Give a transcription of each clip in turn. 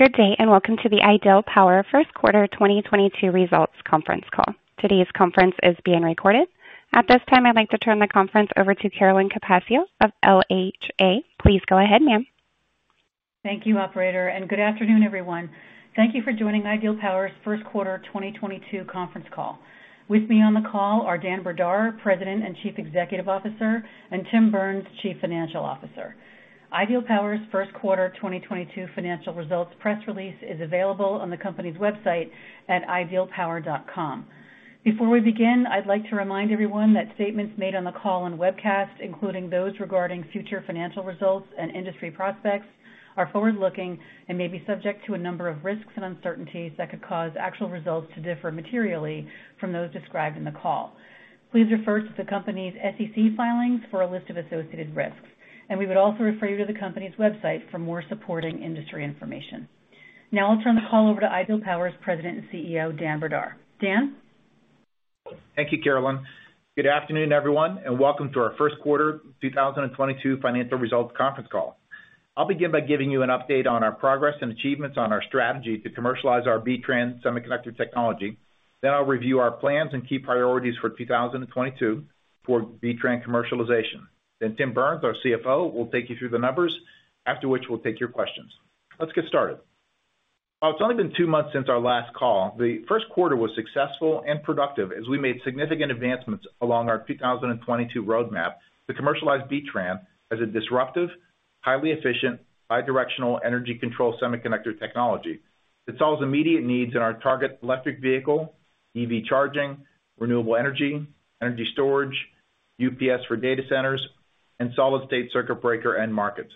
Good day, and welcome to the Ideal Power First Quarter 2022 Results Conference Call. Today's conference is being recorded. At this time, I'd like to turn the conference over to Carolyn Capaccio of LHA. Please go ahead, ma'am. Thank you, operator, and good afternoon, everyone. Thank you for joining Ideal Power's First Quarter 2022 Conference Call. With me on the call are Dan Brdar, President and Chief Executive Officer, and Tim Burns, Chief Financial Officer. Ideal Power's First Quarter 2022 Financial Results Press Release is available on the company's website at idealpower.com. Before we begin, I'd like to remind everyone that statements made on the call and webcast, including those regarding future financial results and industry prospects, are forward-looking and may be subject to a number of risks and uncertainties that could cause actual results to differ materially from those described in the call. Please refer to the company's SEC filings for a list of associated risks, and we would also refer you to the company's website for more supporting industry information. Now I'll turn the call over to Ideal Power's President and CEO, Dan Brdar. Dan? Thank you, Carolyn. Good afternoon, everyone, and welcome to our First Quarter 2022 Financial Results Conference Call. I'll begin by giving you an update on our progress and achievements on our strategy to commercialize our B-TRAN semiconductor technology. Then I'll review our plans and key priorities for 2022 for B-TRAN commercialization. Then Tim Burns, our CFO, will take you through the numbers. After which, we'll take your questions. Let's get started. While it's only been two months since our last call, the first quarter was successful and productive as we made significant advancements along our 2022 roadmap to commercialize B-TRAN as a disruptive, highly efficient, bi-directional energy control semiconductor technology that solves immediate needs in our target electric vehicle, EV charging, renewable energy storage, UPS for data centers, and solid-state circuit breaker end markets.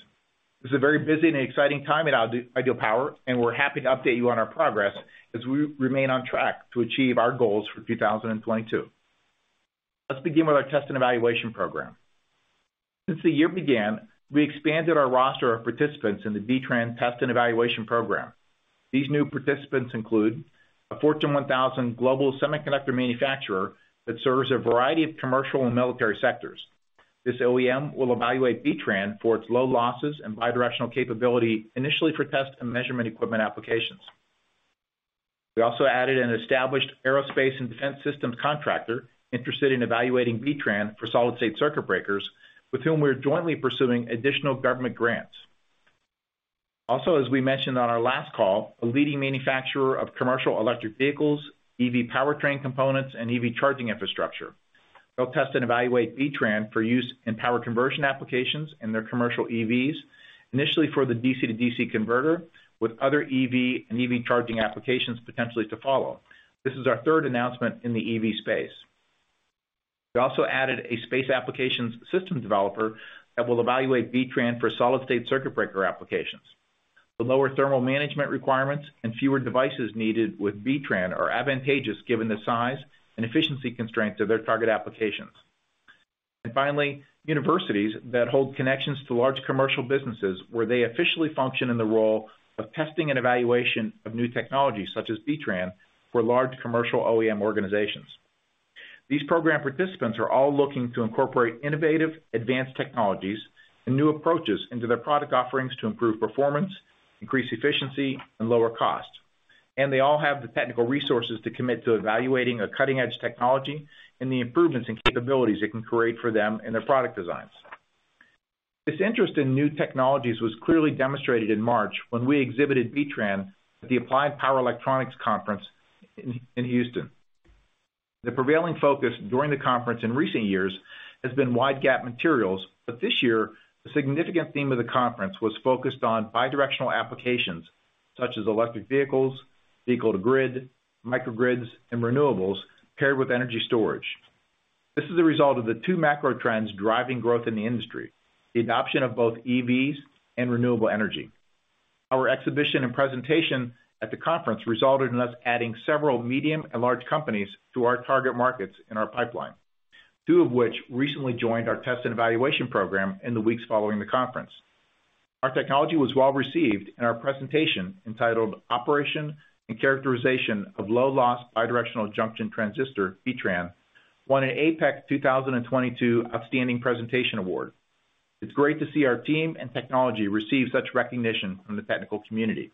This is a very busy and exciting time at Ideal Power, and we're happy to update you on our progress as we remain on track to achieve our goals for 2022. Let's begin with our test and evaluation program. Since the year began, we expanded our roster of participants in the B-TRAN Test and Evaluation Program. These new participants include a Fortune 1000 global semiconductor manufacturer that serves a variety of commercial and military sectors. This OEM will evaluate B-TRAN for its low losses and bi-directional capability, initially for test and measurement equipment applications. We also added an established aerospace and defense systems contractor interested in evaluating B-TRAN for solid-state circuit breakers, with whom we are jointly pursuing additional government grants. Also, as we mentioned on our last call, a leading manufacturer of commercial electric vehicles, EV powertrain components, and EV charging infrastructure. They'll test and evaluate B-TRAN for use in power conversion applications in their commercial EVs, initially for the DC-to-DC converter, with other EV and EV charging applications potentially to follow. This is our third announcement in the EV space. We also added a space applications systems developer that will evaluate B-TRAN for solid-state circuit breaker applications. The lower thermal management requirements and fewer devices needed with B-TRAN are advantageous given the size and efficiency constraints of their target applications. Finally, universities that hold connections to large commercial businesses where they officially function in the role of testing and evaluation of new technologies such as B-TRAN for large commercial OEM organizations. These program participants are all looking to incorporate innovative, advanced technologies and new approaches into their product offerings to improve performance, increase efficiency, and lower cost. They all have the technical resources to commit to evaluating a cutting edge technology and the improvements and capabilities it can create for them in their product designs. This interest in new technologies was clearly demonstrated in March when we exhibited B-TRAN at the Applied Power Electronics Conference in Houston. The prevailing focus during the conference in recent years has been wide bandgap materials, but this year the significant theme of the conference was focused on bi-directional applications such as electric vehicles, Vehicle-to-Grid, microgrids, and renewables paired with energy storage. This is a result of the two macro trends driving growth in the industry, the adoption of both EVs and renewable energy. Our exhibition and presentation at the conference resulted in us adding several medium and large companies to our target markets in our pipeline, two of which recently joined our test and evaluation program in the weeks following the conference. Our technology was well received, and our presentation, entitled Operation and Characterization of Low Loss Bidirectional Bipolar Junction Transistor, B-TRAN, won an APEC 2022 Outstanding Presentation Award. It's great to see our team and technology receive such recognition from the technical community.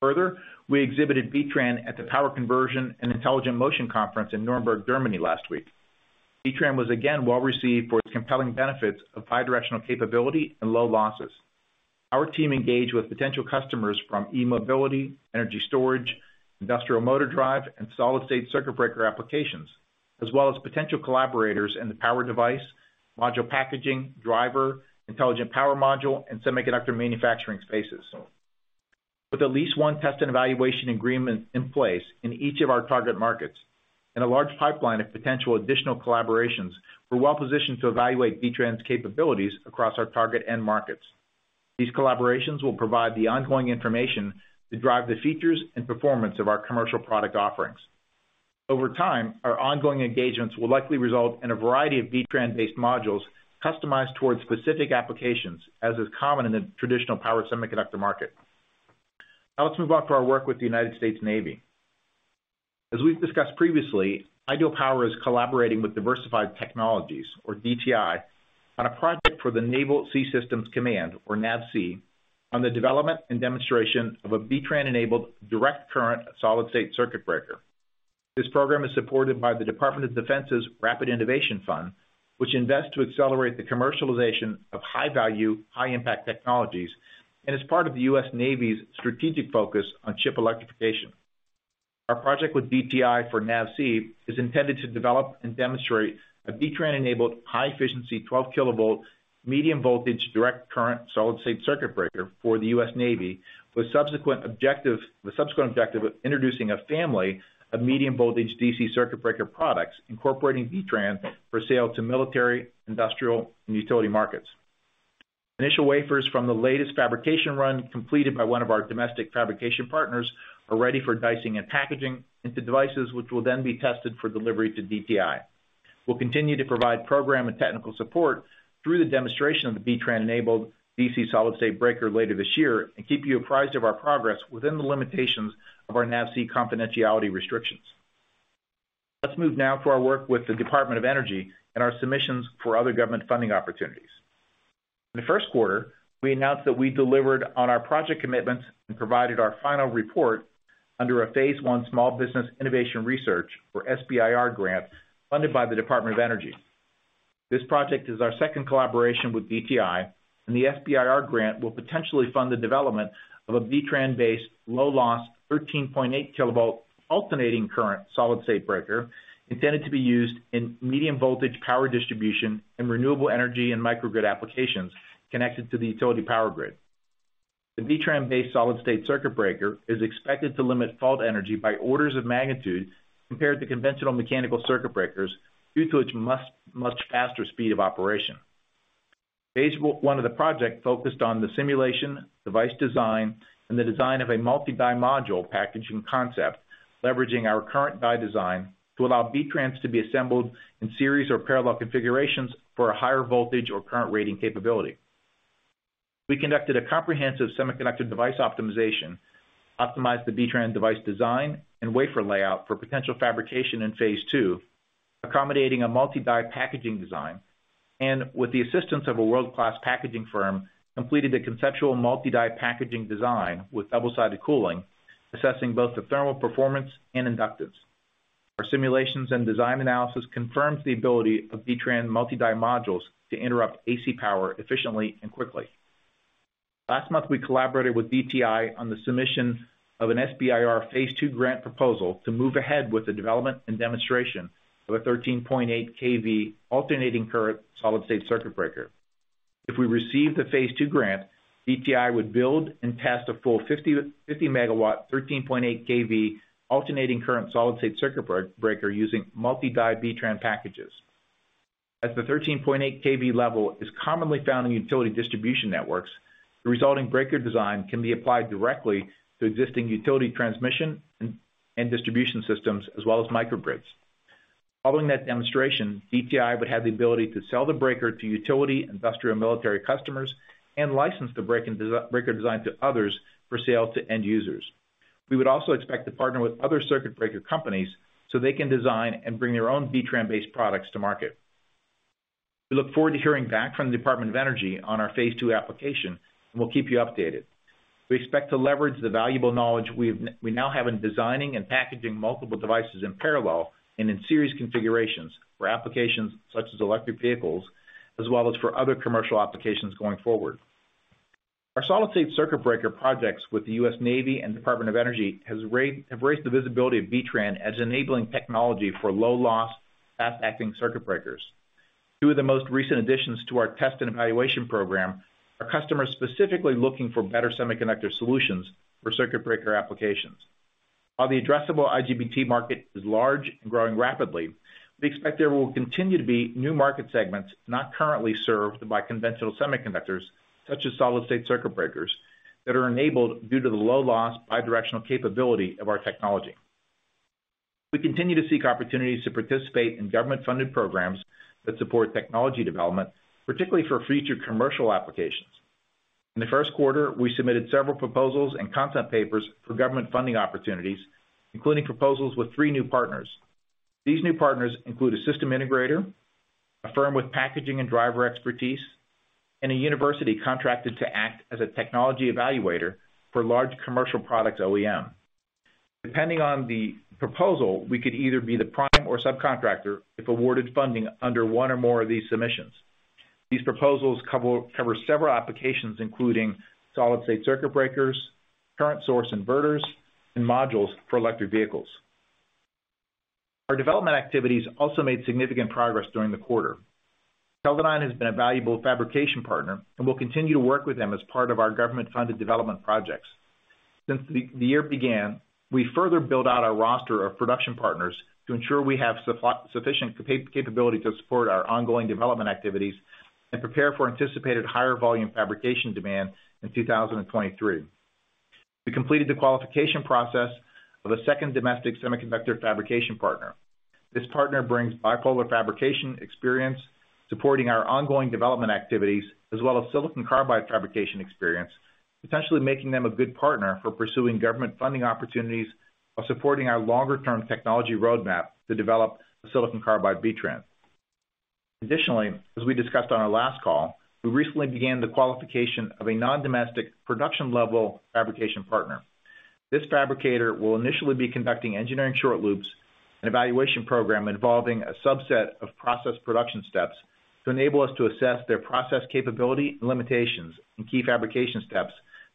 Further, we exhibited B-TRAN at the Power Conversion and Intelligent Motion conference in Nuremberg, Germany last week. B-TRAN was again well received for its compelling benefits of bidirectional capability and low losses. Our team engaged with potential customers from e-mobility, energy storage, industrial motor drive, and solid-state circuit breaker applications, as well as potential collaborators in the power device, module packaging, driver, Intelligent Power Module, and semiconductor manufacturing spaces. With at least one test and evaluation agreement in place in each of our target markets and a large pipeline of potential additional collaborations, we're well-positioned to evaluate B-TRAN's capabilities across our target end markets. These collaborations will provide the ongoing information to drive the features and performance of our commercial product offerings. Over time, our ongoing engagements will likely result in a variety of B-TRAN-based modules customized towards specific applications, as is common in the traditional power semiconductor market. Now let's move on to our work with the United States Navy. As we've discussed previously, Ideal Power is collaborating with Diversified Technologies, or DTI, on a project for the Naval Sea Systems Command, or NAVSEA, on the development and demonstration of a B-TRAN enabled direct current solid-state circuit breaker. This program is supported by the Department of Defense's Rapid Innovation Fund, which invests to accelerate the commercialization of high-value, high-impact technologies, and is part of the U.S. Navy's strategic focus on ship electrification. Our project with DTI for NAVSEA is intended to develop and demonstrate a B-TRAN enabled high efficiency 12 kV medium voltage direct current solid-state circuit breaker for the U.S. Navy, with the subsequent objective of introducing a family of medium voltage DC circuit breaker products incorporating B-TRAN for sale to military, industrial, and utility markets. Initial wafers from the latest fabrication run completed by one of our domestic fabrication partners are ready for dicing and packaging into devices, which will then be tested for delivery to DTI. We'll continue to provide program and technical support through the demonstration of the B-TRAN enabled DC solid-state breaker later this year and keep you apprised of our progress within the limitations of our NAVSEA confidentiality restrictions. Let's move now for our work with the Department of Energy and our submissions for other government funding opportunities. In the first quarter, we announced that we delivered on our project commitments and provided our final report under a phase I Small Business Innovation Research, or SBIR, grant funded by the Department of Energy. This project is our second collaboration with DTI, and the SBIR grant will potentially fund the development of a B-TRAN based low-loss 13.8 kilovolt alternating current solid-state breaker intended to be used in medium voltage power distribution and renewable energy and microgrid applications connected to the utility power grid. The B-TRAN based solid-state circuit breaker is expected to limit fault energy by orders of magnitude compared to conventional mechanical circuit breakers due to its much, much faster speed of operation. Phase I of the project focused on the simulation, device design, and the design of a multi-die module packaging concept, leveraging our current die design to allow B-TRANs to be assembled in series or parallel configurations for a higher voltage or current rating capability. We conducted a comprehensive semiconductor device optimization, optimized the B-TRAN device design and wafer layout for potential fabrication in phase II, accommodating a multi-die packaging design, and with the assistance of a world-class packaging firm, completed the conceptual multi-die packaging design with double-sided cooling, assessing both the thermal performance and inductance. Our simulations and design analysis confirms the ability of B-TRAN multi-die modules to interrupt AC power efficiently and quickly. Last month, we collaborated with DTI on the submissions of an SBIR phase II grant proposal to move ahead with the development and demonstration of a 13.8 kV alternating current solid-state circuit breaker. If we receive the phase II grant, DTI would build and test a full 50 MW 13.8 kV alternating current solid-state circuit breaker using multi-die B-TRAN packages. As the 13.8 kV level is commonly found in utility distribution networks, the resulting breaker design can be applied directly to existing utility transmission and distribution systems as well as microgrids. Following that demonstration, DTI would have the ability to sell the breaker to utility, industrial, military customers and license the B-TRAN-based breaker design to others for sale to end users. We would also expect to partner with other circuit breaker companies so they can design and bring their own B-TRAN based products to market. We look forward to hearing back from the Department of Energy on our phase II application, and we'll keep you updated. We expect to leverage the valuable knowledge we now have in designing and packaging multiple devices in parallel and in series configurations for applications such as electric vehicles, as well as for other commercial applications going forward. Our solid-state circuit breaker projects with the U.S. Navy and Department of Energy have raised the visibility of B-TRAN as enabling technology for low loss, fast-acting circuit breakers. Two of the most recent additions to our test and evaluation program are customers specifically looking for better semiconductor solutions for circuit breaker applications. While the addressable IGBT market is large and growing rapidly, we expect there will continue to be new market segments not currently served by conventional semiconductors, such as solid-state circuit breakers, that are enabled due to the low loss bidirectional capability of our technology. We continue to seek opportunities to participate in government-funded programs that support technology development, particularly for future commercial applications. In the first quarter, we submitted several proposals and concept papers for government funding opportunities, including proposals with three new partners. These new partners include a system integrator, a firm with packaging and driver expertise, and a university contracted to act as a technology evaluator for large commercial products OEM. Depending on the proposal, we could either be the prime or subcontractor if awarded funding under one or more of these submissions. These proposals cover several applications, including solid-state circuit breakers, current source inverters, and modules for electric vehicles. Our development activities also made significant progress during the quarter. Kelvin has been a valuable fabrication partner and will continue to work with them as part of our government-funded development projects. Since the year began, we further built out our roster of production partners to ensure we have sufficient capability to support our ongoing development activities and prepare for anticipated higher volume fabrication demand in 2023. We completed the qualification process of a second domestic semiconductor fabrication partner. This partner brings bipolar fabrication experience, supporting our ongoing development activities, as well as silicon carbide fabrication experience, essentially making them a good partner for pursuing government funding opportunities while supporting our longer-term technology roadmap to develop the silicon carbide B-TRAN. Additionally, as we discussed on our last call, we recently began the qualification of a non-domestic production level fabrication partner. This fabricator will initially be conducting engineering short loops and evaluation program involving a subset of process production steps to enable us to assess their process capability and limitations in key fabrication steps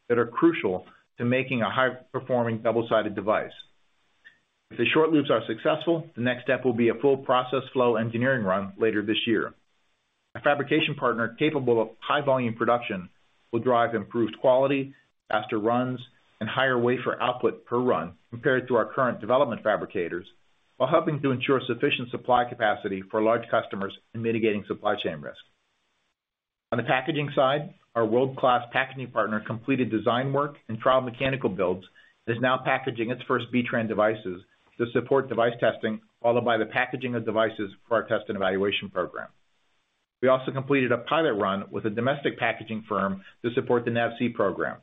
that are crucial to making a high performing double-sided device. If the short loops are successful, the next step will be a full process flow engineering run later this year. A fabrication partner capable of high volume production will drive improved quality, faster runs, and higher wafer output per run compared to our current development fabricators, while helping to ensure sufficient supply capacity for large customers in mitigating supply chain risk. On the packaging side, our world-class packaging partner completed design work and trial mechanical builds, is now packaging its first B-TRAN devices to support device testing, followed by the packaging of devices for our test and evaluation program. We also completed a pilot run with a domestic packaging firm to support the NAVSEA program.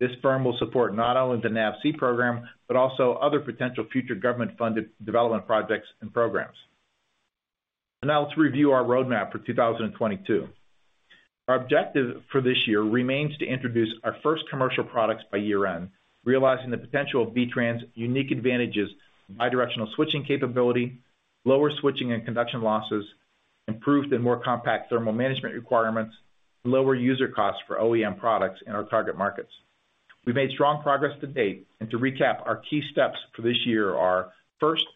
This firm will support not only the NAVSEA program, but also other potential future government funded development projects and programs. Now let's review our roadmap for 2022. Our objective for this year remains to introduce our first commercial products by year-end, realizing the potential of B-TRAN's unique advantages, bidirectional switching capability, lower switching and conduction losses, improved and more compact thermal management requirements, and lower user costs for OEM products in our target markets. We've made strong progress to date, and to recap, our key steps for this year are, first,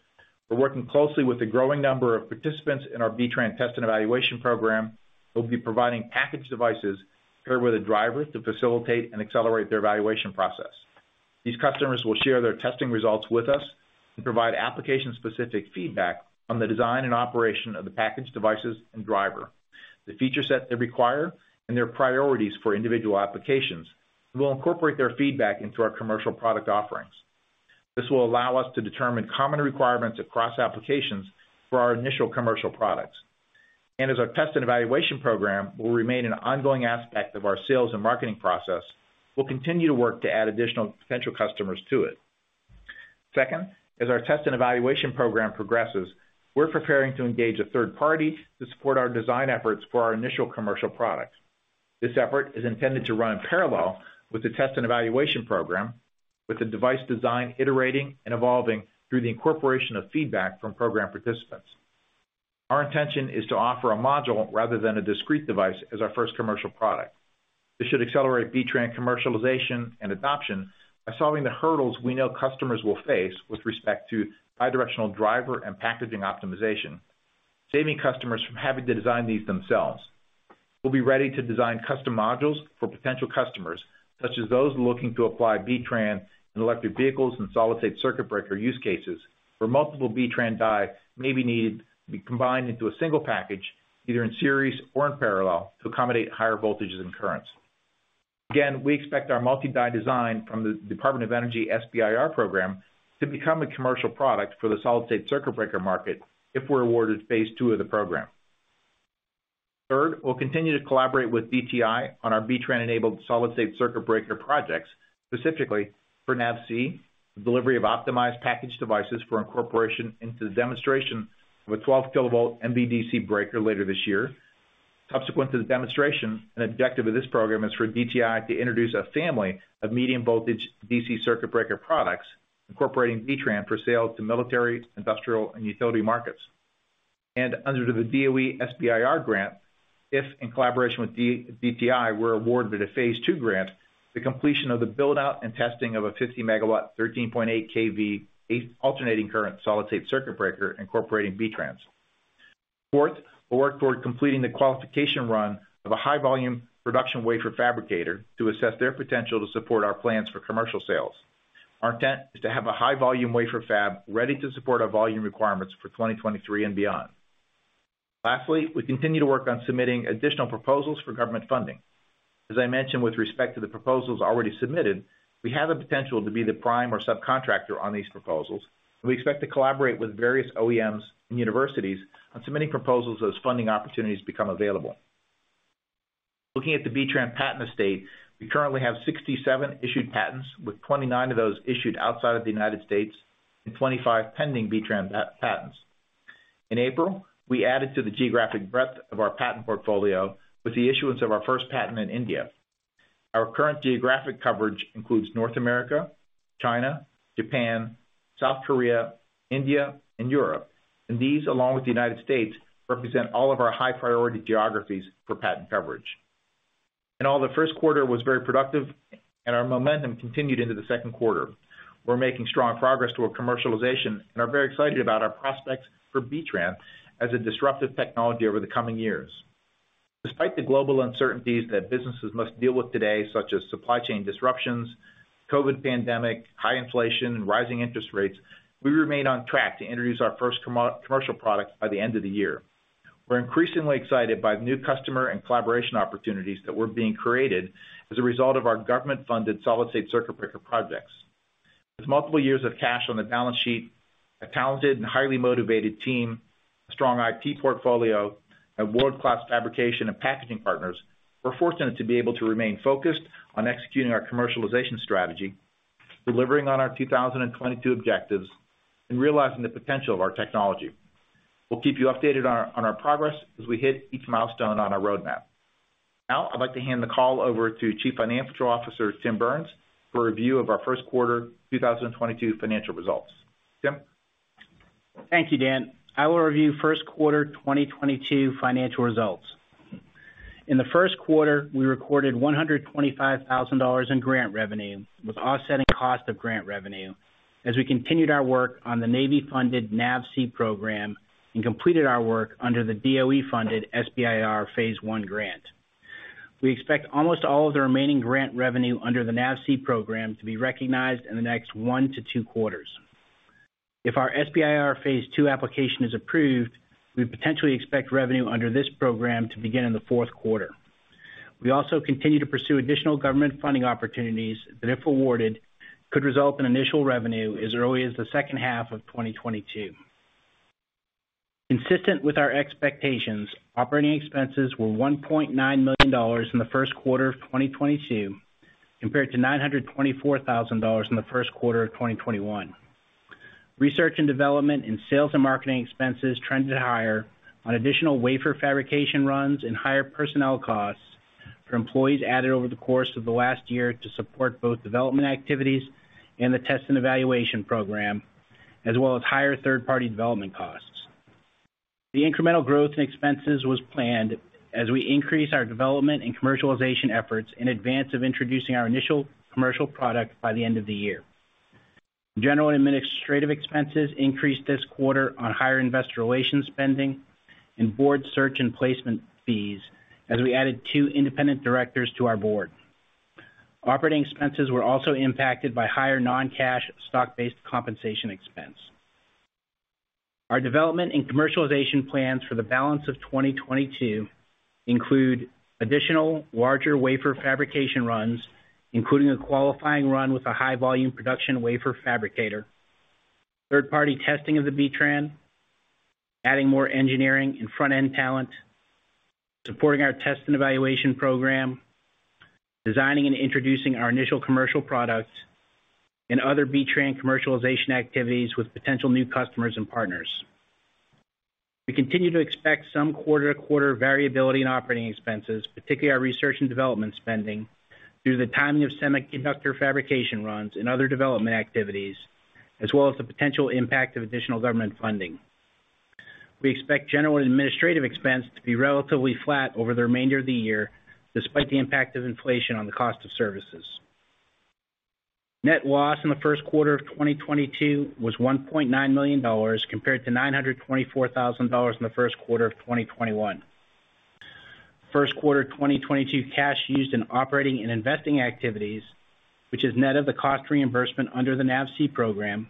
we're working closely with the growing number of participants in our B-TRAN Test and Evaluation Program, who'll be providing packaged devices paired with a driver to facilitate and accelerate their evaluation process. These customers will share their testing results with us and provide application-specific feedback on the design and operation of the packaged devices and driver, the feature set they require, and their priorities for individual applications, and we'll incorporate their feedback into our commercial product offerings. This will allow us to determine common requirements across applications for our initial commercial products. As our test and evaluation program will remain an ongoing aspect of our sales and marketing process, we'll continue to work to add additional potential customers to it. Second, as our test and evaluation program progresses, we're preparing to engage a third party to support our design efforts for our initial commercial products. This effort is intended to run in parallel with the test and evaluation program, with the device design iterating and evolving through the incorporation of feedback from program participants. Our intention is to offer a module rather than a discrete device as our first commercial product. This should accelerate B-TRAN commercialization and adoption by solving the hurdles we know customers will face with respect to bidirectional driver and packaging optimization, saving customers from having to design these themselves. We'll be ready to design custom modules for potential customers, such as those looking to apply B-TRAN in electric vehicles and solid-state circuit breaker use cases, where multiple B-TRAN die may be needed to be combined into a single package, either in series or in parallel, to accommodate higher voltages and currents. Again, we expect our multi-die design from the Department of Energy SBIR program to become a commercial product for the solid-state circuit breaker market if we're awarded phase II of the program. Third, we'll continue to collaborate with DTI on our B-TRAN enabled solid-state circuit breaker projects, specifically for NAVSEA, the delivery of optimized packaged devices for incorporation into the demonstration of a 12-kilovolt MVDC breaker later this year. Subsequent to the demonstration, an objective of this program is for DTI to introduce a family of medium voltage DC circuit breaker products, incorporating B-TRAN for sale to military, industrial, and utility markets. Under the DOE SBIR grant, if in collaboration with DTI, we're awarded a phase II grant, the completion of the build out and testing of a 50 megawatt 13.8 kV AC solid-state circuit breaker incorporating B-TRAN. Fourth, we'll work toward completing the qualification run of a high volume production wafer fabricator to assess their potential to support our plans for commercial sales. Our intent is to have a high volume wafer fab ready to support our volume requirements for 2023 and beyond. Lastly, we continue to work on submitting additional proposals for government funding. As I mentioned with respect to the proposals already submitted, we have the potential to be the prime or subcontractor on these proposals, and we expect to collaborate with various OEMs and universities on submitting proposals as funding opportunities become available. Looking at the B-TRAN patent estate, we currently have 67 issued patents, with 29 of those issued outside of the United States, and 25 pending B-TRAN patents. In April, we added to the geographic breadth of our patent portfolio with the issuance of our first patent in India. Our current geographic coverage includes North America, China, Japan, South Korea, India, and Europe. These, along with the United States, represent all of our high priority geographies for patent coverage. In all, the first quarter was very productive, and our momentum continued into the second quarter. We're making strong progress toward commercialization and are very excited about our prospects for B-TRAN as a disruptive technology over the coming years. Despite the global uncertainties that businesses must deal with today, such as supply chain disruptions, COVID pandemic, high inflation, and rising interest rates, we remain on track to introduce our first pre-commercial product by the end of the year. We're increasingly excited by the new customer and collaboration opportunities that were being created as a result of our government-funded solid-state circuit breaker projects. With multiple years of cash on the balance sheet, a talented and highly motivated team, a strong IP portfolio, and world-class fabrication and packaging partners, we're fortunate to be able to remain focused on executing our commercialization strategy, delivering on our 2022 objectives, and realizing the potential of our technology. We'll keep you updated on our progress as we hit each milestone on our roadmap. Now, I'd like to hand the call over to Chief Financial Officer Tim Burns for a review of our first quarter 2022 financial results. Tim? Thank you, Dan. I will review first quarter 2022 financial results. In the first quarter, we recorded $125,000 in grant revenue, with offsetting cost of grant revenue as we continued our work on the Navy-funded NAVSEA program and completed our work under the DOE-funded SBIR Phase I grant. We expect almost all of the remaining grant revenue under the NAVSEA program to be recognized in the next one to two quarters. If our SBIR Phase II application is approved, we potentially expect revenue under this program to begin in the fourth quarter. We also continue to pursue additional government funding opportunities that, if awarded, could result in initial revenue as early as the second half of 2022. Consistent with our expectations, operating expenses were $1.9 million in the first quarter of 2022, compared to $924,000 in the first quarter of 2021. Research and development and sales and marketing expenses trended higher on additional wafer fabrication runs and higher personnel costs for employees added over the course of the last year to support both development activities and the test and evaluation program, as well as higher third-party development costs. The incremental growth in expenses was planned as we increase our development and commercialization efforts in advance of introducing our initial commercial product by the end of the year. General and administrative expenses increased this quarter on higher investor relations spending and board search and placement fees, as we added two independent directors to our board. Operating expenses were also impacted by higher non-cash stock-based compensation expense. Our development and commercialization plans for the balance of 2022 include additional larger wafer fabrication runs, including a qualifying run with a high volume production wafer fabricator, third party testing of the B-TRAN, adding more engineering and front-end talent, supporting our test and evaluation program, designing and introducing our initial commercial products, and other B-TRAN commercialization activities with potential new customers and partners. We continue to expect some quarter-to-quarter variability in operating expenses, particularly our research and development spending, due to the timing of semiconductor fabrication runs and other development activities, as well as the potential impact of additional government funding. We expect general and administrative expense to be relatively flat over the remainder of the year, despite the impact of inflation on the cost of services. Net loss in the first quarter of 2022 was $1.9 million, compared to $924,000 in the first quarter of 2021. First quarter 2022 cash used in operating and investing activities, which is net of the cost reimbursement under the NAVSEA program,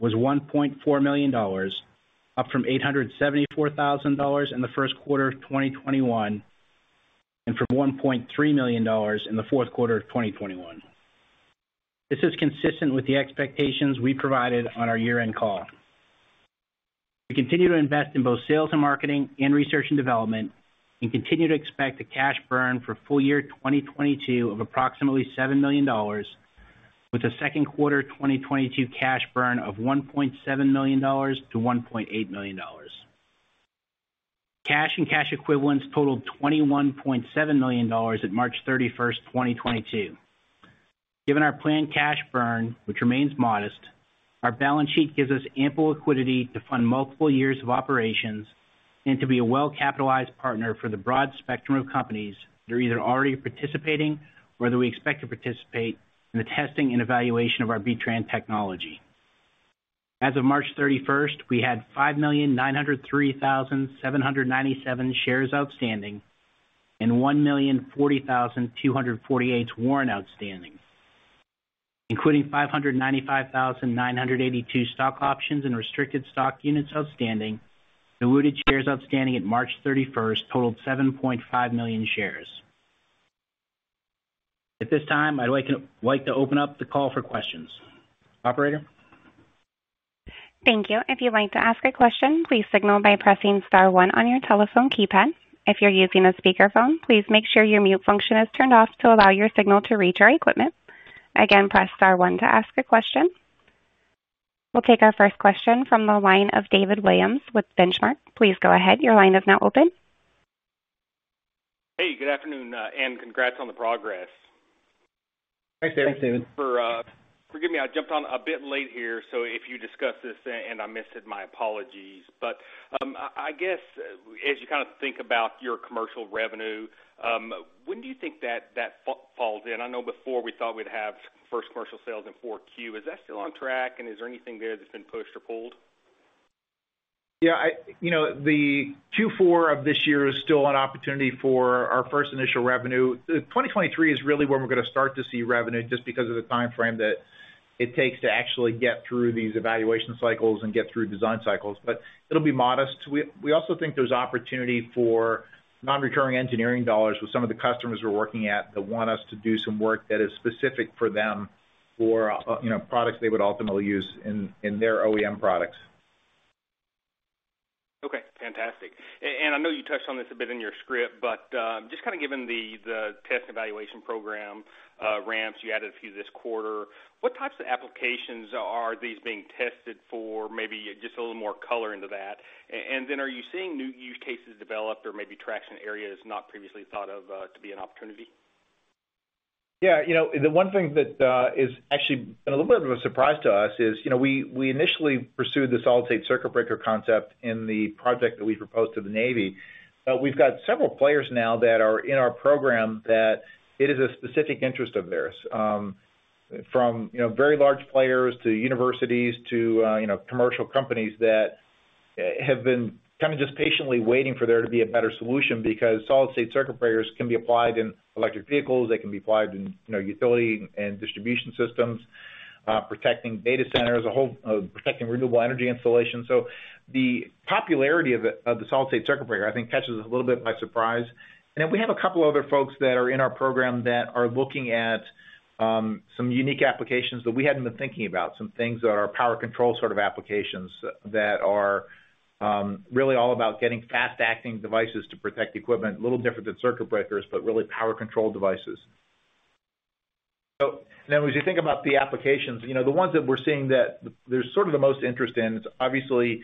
was $1.4 million, up from $874,000 in the first quarter of 2021 and from $1.3 million in the fourth quarter of 2021. This is consistent with the expectations we provided on our year-end call. We continue to invest in both sales and marketing and research and development, and continue to expect a cash burn for full year 2022 of approximately $7 million, with a second quarter 2022 cash burn of $1.7 million-$1.8 million. Cash and cash equivalents totaled $21.7 million at March 31st, 2022. Given our planned cash burn, which remains modest, our balance sheet gives us ample liquidity to fund multiple years of operations and to be a well-capitalized partner for the broad spectrum of companies that are either already participating or that we expect to participate in the testing and evaluation of our B-TRAN technology. As of March 31st, we had 5,903,797 shares outstanding and 1,040,248 warrants outstanding. Including 595,982 stock options and restricted stock units outstanding, diluted shares outstanding at March 31st totaled 7.5 million shares. At this time, I'd like to open up the call for questions. Operator? Thank you. If you'd like to ask a question, please signal by pressing star one on your telephone keypad. If you're using a speakerphone, please make sure your mute function is turned off to allow your signal to reach our equipment. Again, press star one to ask a question. We'll take our first question from the line of David Williams with Benchmark. Please go ahead. Your line is now open. Hey, good afternoon, and congrats on the progress. Thanks, David. Forgive me, I jumped on a bit late here, so if you discussed this and I missed it, my apologies. I guess as you kind of think about your commercial revenue, when do you think that falls in? I know before we thought we'd have first commercial sales in Q4. Is that still on track, and is there anything there that's been pushed or pulled? Yeah, you know, the Q4 of this year is still an opportunity for our first initial revenue. 2023 is really when we're gonna start to see revenue just because of the timeframe that It takes to actually get through these evaluation cycles and get through design cycles, but it'll be modest. We also think there's opportunity for non-recurring engineering dollars with some of the customers we're working with that want us to do some work that is specific for them for, you know, products they would ultimately use in their OEM products. Okay, fantastic. I know you touched on this a bit in your script, but just kinda given the test evaluation program ramps you added a few this quarter, what types of applications are these being tested for? Maybe just a little more color into that. Are you seeing new use cases developed or maybe traction areas not previously thought of to be an opportunity? Yeah, you know, the one thing that is actually been a little bit of a surprise to us is, you know, we initially pursued the solid-state circuit breaker concept in the project that we proposed to the Navy. We've got several players now that are in our program that it is a specific interest of theirs, from, you know, very large players to universities to, you know, commercial companies that have been kinda just patiently waiting for there to be a better solution because solid-state circuit breakers can be applied in electric vehicles, they can be applied in, you know, utility and distribution systems, protecting data centers, protecting renewable energy installation. The popularity of the solid-state circuit breaker, I think, catches us a little bit by surprise. We have a couple other folks that are in our program that are looking at some unique applications that we hadn't been thinking about. Some things that are power control sort of applications that are really all about getting fast-acting devices to protect equipment, a little different than circuit breakers, but really power control devices. As you think about the applications, you know, the ones that we're seeing that there's sort of the most interest in is obviously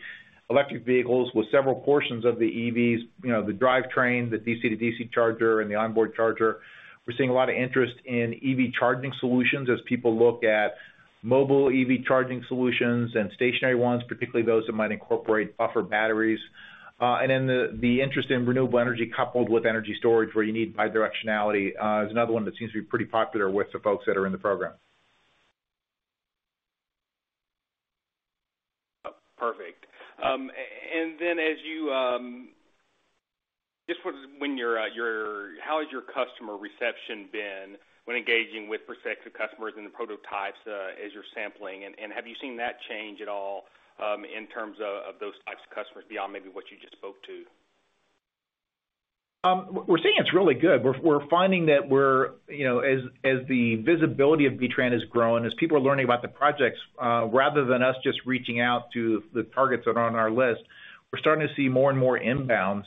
electric vehicles with several portions of the EVs, you know, the drivetrain, the DC to DC charger, and the onboard charger. We're seeing a lot of interest in EV charging solutions as people look at mobile EV charging solutions and stationary ones, particularly those that might incorporate buffer batteries. The interest in renewable energy coupled with energy storage, where you need bidirectionality, is another one that seems to be pretty popular with the folks that are in the program. Perfect. How has your customer reception been when engaging with prospective customers in the prototypes, as you're sampling? Have you seen that change at all, in terms of those types of customers beyond maybe what you just spoke to? We're seeing it's really good. We're finding that we're, you know, as the visibility of B-TRAN is growing, as people are learning about the projects, rather than us just reaching out to the targets that are on our list, we're starting to see more and more inbounds,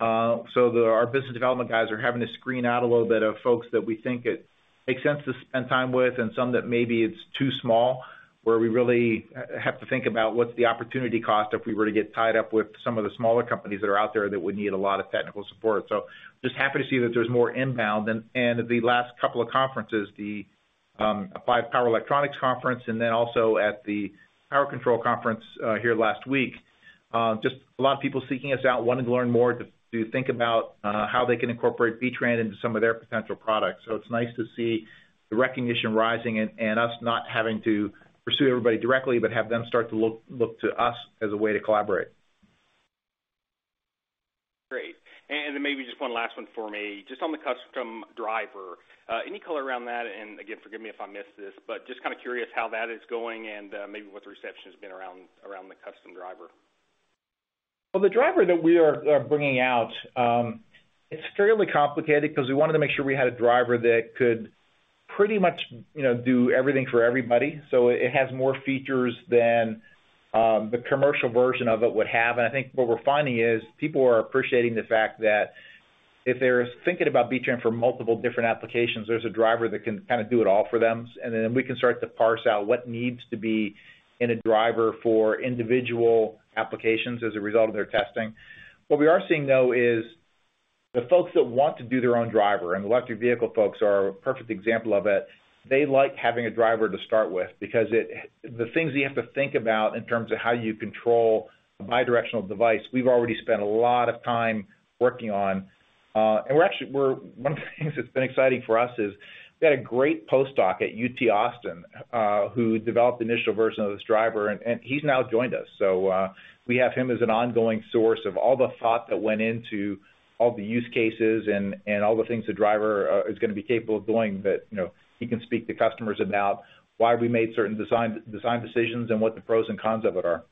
so that our business development guys are having to screen out a little bit of folks that we think it makes sense to spend time with and some that maybe it's too small, where we really have to think about what's the opportunity cost if we were to get tied up with some of the smaller companies that are out there that would need a lot of technical support. Just happy to see that there's more inbound. The last couple of conferences, the Applied Power Electronics Conference and then also at the Power Conversion and Intelligent Motion conference here last week, just a lot of people seeking us out, wanting to learn more to think about how they can incorporate B-TRAN into some of their potential products. It's nice to see the recognition rising and us not having to pursue everybody directly, but have them start to look to us as a way to collaborate. Great. Maybe just one last one for me. Just on the custom driver, any color around that? Again, forgive me if I missed this, but just kinda curious how that is going and maybe what the reception has been around the custom driver. Well, the driver that we are bringing out, it's fairly complicated because we wanted to make sure we had a driver that could pretty much, you know, do everything for everybody. It has more features than the commercial version of it would have. I think what we're finding is people are appreciating the fact that if they're thinking about B-TRAN for multiple different applications, there's a driver that can kinda do it all for them. Then we can start to parse out what needs to be in a driver for individual applications as a result of their testing. What we are seeing, though, is the folks that want to do their own driver, and the electric vehicle folks are a perfect example of it. They like having a driver to start with because it, the things you have to think about in terms of how you control a bidirectional device, we've already spent a lot of time working on. One of the things that's been exciting for us is we had a great postdoc at UT Austin, who developed the initial version of this driver, and he's now joined us. We have him as an ongoing source of all the thought that went into all the use cases and all the things the driver is gonna be capable of doing that, you know, he can speak to customers about why we made certain design decisions and what the pros and cons of it are.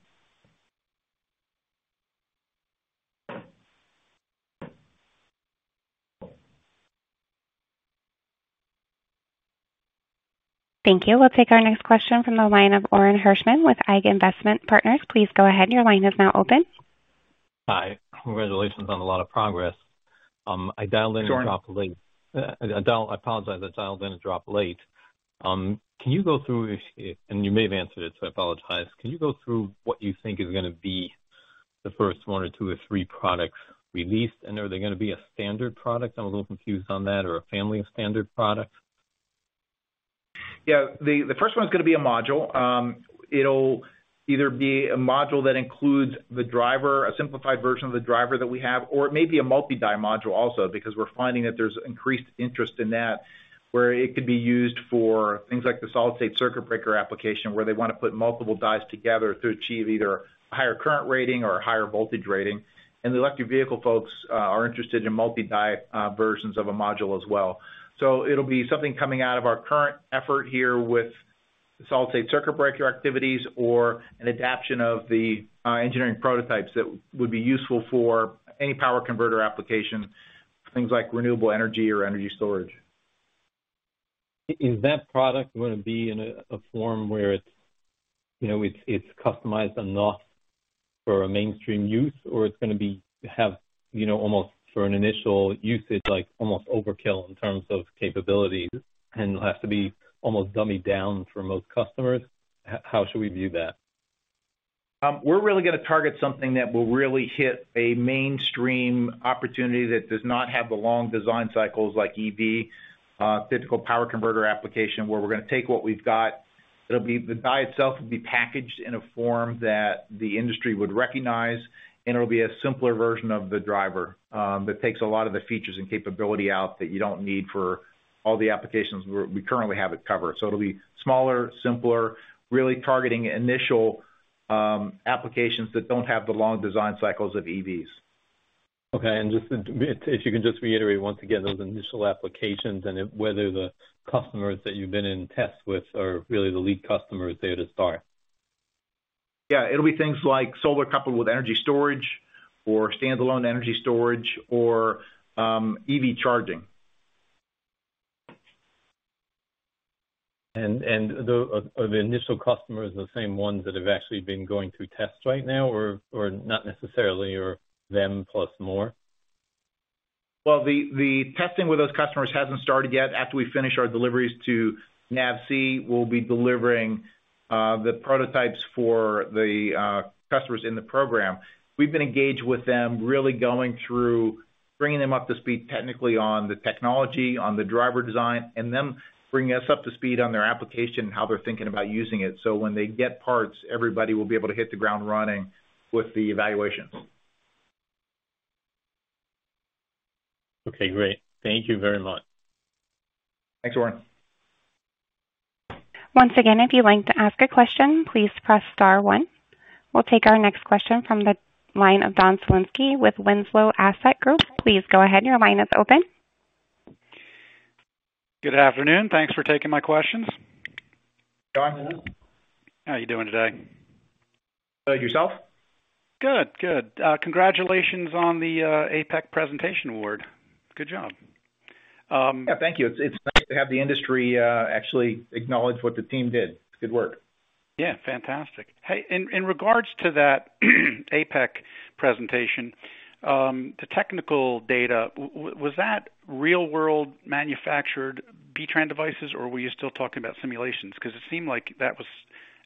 Thank you. We'll take our next question from the line of Orin Hirschman with AIGH Investment Partners. Please go ahead, your line is now open. Hi. Congratulations on a lot of progress. I dialed in. Sure. I apologize. I dialed in and dropped late. You may have answered it, so I apologize. Can you go through what you think is gonna be the first one to two or three products released? Are they gonna be a standard product? I'm a little confused on that. Or a family of standard products? Yeah. The first one's gonna be a module. It'll either be a module that includes the driver, a simplified version of the driver that we have, or it may be a multi-die module also, because we're finding that there's increased interest in that, where it could be used for things like the solid-state circuit breaker application, where they wanna put multiple dies together to achieve either a higher current rating or a higher voltage rating. The electric vehicle folks are interested in multi-die versions of a module as well. It'll be something coming out of our current effort here with solid-state circuit breaker activities or an adaptation of the engineering prototypes that would be useful for any power converter application, things like renewable energy or energy storage. Is that product gonna be in a form where it's you know it's customized enough for a mainstream use or it's gonna have you know almost for an initial usage like almost overkill in terms of capabilities and it'll have to be almost dumbed down for most customers? How should we view that? We're really gonna target something that will really hit a mainstream opportunity that does not have the long design cycles like EV, physical power converter application, where we're gonna take what we've got. It'll be the die itself will be packaged in a form that the industry would recognize, and it'll be a simpler version of the driver that takes a lot of the features and capability out that you don't need for all the applications we currently have it covered. It'll be smaller, simpler, really targeting initial applications that don't have the long design cycles of EVs. Okay. Just, if you can just reiterate once again those initial applications and whether the customers that you've been in test with are really the lead customers there to start. Yeah. It'll be things like solar coupled with energy storage or standalone energy storage or EV charging. Are the initial customers the same ones that have actually been going through tests right now or not necessarily or them plus more? Well, the testing with those customers hasn't started yet. After we finish our deliveries to NAVSEA, we'll be delivering the prototypes for the customers in the program. We've been engaged with them really going through bringing them up to speed technically on the technology, on the driver design, and them bringing us up to speed on their application, how they're thinking about using it. When they get parts, everybody will be able to hit the ground running with the evaluations. Okay, great. Thank you very much. Thanks, Orin Hirschman. Once again, if you'd like to ask a question, please press star one. We'll take our next question from the line of Don Slowinski with Winslow Asset Group. Please go ahead. Your line is open. Good afternoon. Thanks for taking my questions. Don. How are you doing today? Good. Yourself? Good, good. Congratulations on the APEC presentation award. Good job. Yeah, thank you. It's nice to have the industry actually acknowledge what the team did. Good work. Yeah. Fantastic. Hey, in regards to that APEC presentation, the technical data, was that real world manufactured B-TRAN devices or were you still talking about simulations? 'Cause it seemed like that was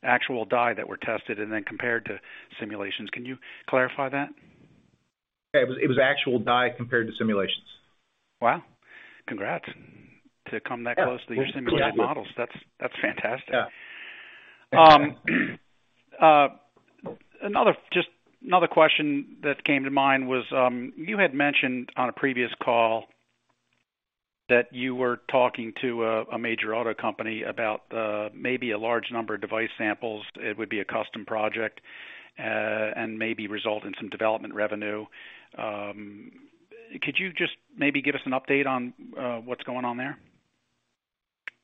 actual die that were tested and then compared to simulations. Can you clarify that? Yeah. It was actual die compared to simulations. Wow. Congrats. To come that close to your simulation models, that's fantastic. Yeah. Another question that came to mind was, you had mentioned on a previous call that you were talking to a major auto company about maybe a large number of device samples. It would be a custom project, and maybe result in some development revenue. Could you just maybe give us an update on what's going on there?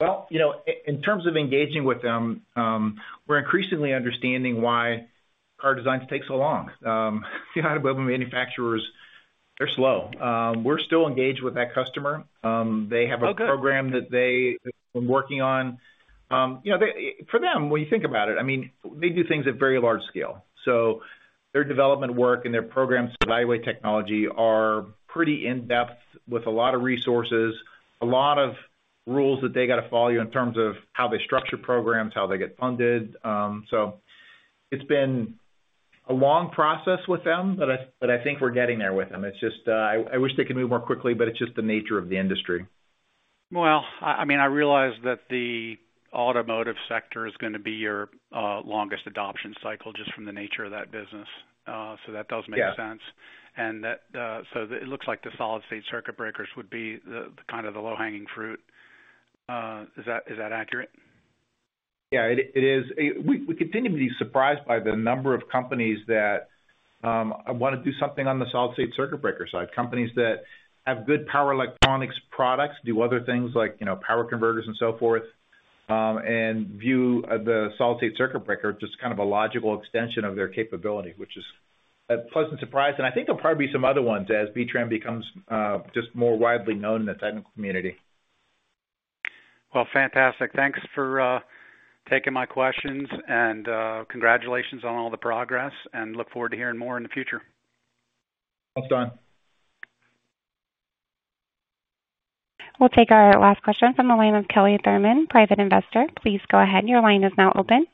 Well, you know, in terms of engaging with them, we're increasingly understanding why our designs take so long. You know, OEM manufacturers, they're slow. We're still engaged with that customer. They have a program. Oh, good. That they have been working on. For them, when you think about it, they do things at very large scale. Their development work and their programs to evaluate technology are pretty in-depth with a lot of resources, a lot of rules that they gotta follow in terms of how they structure programs, how they get funded. It's been a long process with them, but I think we're getting there with them. It's just, I wish they could move more quickly, but it's just the nature of the industry. Well, I mean, I realize that the automotive sector is gonna be your longest adoption cycle just from the nature of that business. That does make sense. Yeah. It looks like the solid-state circuit breakers would be the low-hanging fruit. Is that accurate? Yeah, it is. We continue to be surprised by the number of companies that wanna do something on the solid-state circuit breaker side. Companies that have good power electronics products, do other things like, you know, power converters and so forth, and view the solid-state circuit breaker just kind of a logical extension of their capability, which is a pleasant surprise. I think there'll probably be some other ones as B-TRAN becomes just more widely known in the technical community. Well, fantastic. Thanks for taking my questions and congratulations on all the progress, and look forward to hearing more in the future. Thanks, Don. We'll take our last question from the line of Kelly Thurman, Private Investor. Please go ahead. Your line is now open.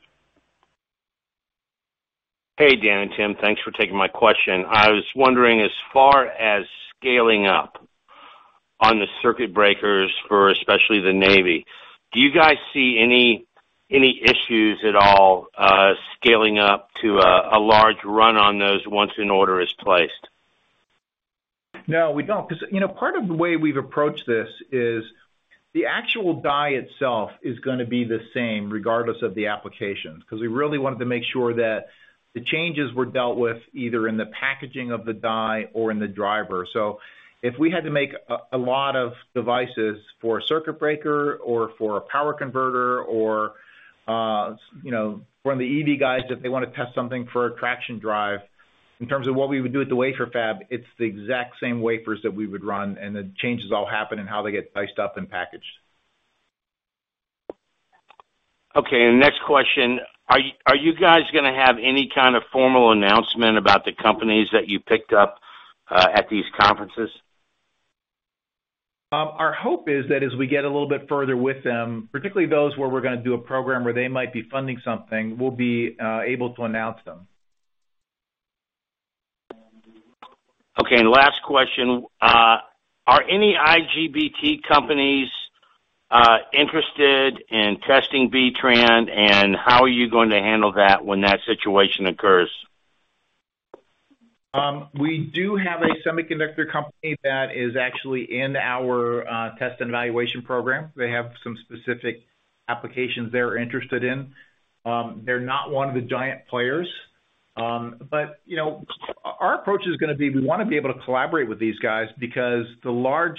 Hey, Dan and Tim. Thanks for taking my question. I was wondering, as far as scaling up on the circuit breakers for especially the Navy, do you guys see any issues at all, scaling up to a large run on those once an order is placed? No, we don't, 'cause, you know, part of the way we've approached this is the actual die itself is gonna be the same regardless of the applications. 'Cause we really wanted to make sure that the changes were dealt with either in the packaging of the die or in the driver. If we had to make a lot of devices for a circuit breaker or for a power converter or, you know, from the EV guys, if they wanna test something for a traction drive. In terms of what we would do with the wafer fab, it's the exact same wafers that we would run, and the changes all happen in how they get diced up and packaged. Okay. Next question, are you guys gonna have any kind of formal announcement about the companies that you picked up at these conferences? Our hope is that as we get a little bit further with them, particularly those where we're gonna do a program where they might be funding something, we'll be able to announce them. Okay. Last question, are any IGBT companies interested in testing B-TRAN? How are you going to handle that when that situation occurs? We do have a semiconductor company that is actually in our test and evaluation program. They have some specific applications they're interested in. They're not one of the giant players. But you know, our approach is gonna be, we wanna be able to collaborate with these guys because the large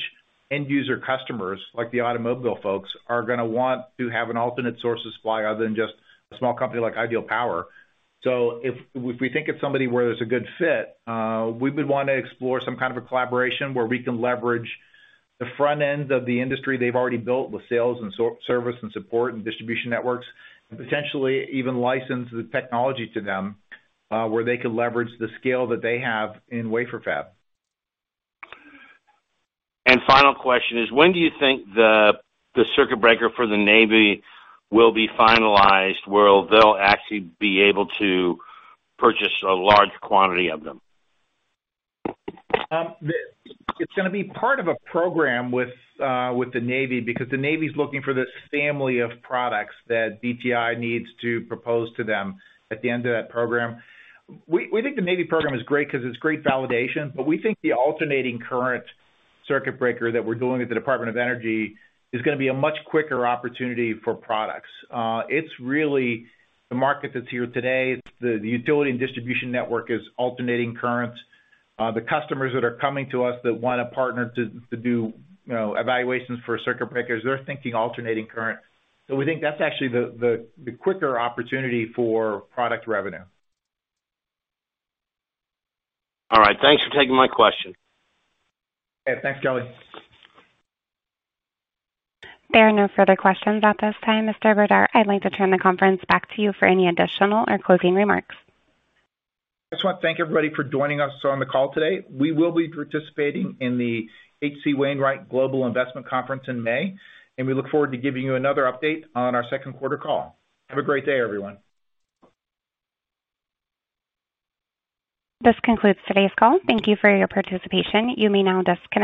end user customers, like the automobile folks, are gonna want to have an alternate source of supply other than just a small company like Ideal Power. If we think it's somebody where there's a good fit, we would wanna explore some kind of a collaboration where we can leverage the front end of the industry they've already built with sales and service and support and distribution networks, and potentially even license the technology to them, where they could leverage the scale that they have in wafer fab. Final question is, when do you think the circuit breaker for the Navy will be finalized, where they'll actually be able to purchase a large quantity of them? It's gonna be part of a program with the Navy, because the Navy's looking for this family of products that DTI needs to propose to them at the end of that program. We think the Navy program is great 'cause it's great validation, but we think the alternating current circuit breaker that we're doing at the Department of Energy is gonna be a much quicker opportunity for products. It's really the market that's here today. It's the utility and distribution network is alternating current. The customers that are coming to us that wanna partner to do, you know, evaluations for circuit breakers, they're thinking alternating current. We think that's actually the quicker opportunity for product revenue. All right. Thanks for taking my question. Yeah. Thanks, Kelly. There are no further questions at this time. Mr. Brdar, I'd like to turn the conference back to you for any additional or closing remarks. I just wanna thank everybody for joining us on the call today. We will be participating in the H.C. Wainwright Global Investment Conference in May, and we look forward to giving you another update on our second quarter call. Have a great day, everyone. This concludes today's call. Thank you for your participation. You may now disconnect.